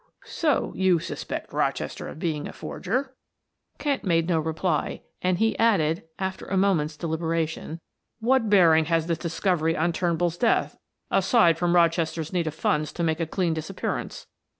"So you suspect Rochester of being a forger?" Kent made no reply, and he added; after a moment's deliberation, "What bearing has this discovery on Turnbull's death, aside from Rochester's need of funds to make a clean disappearance?"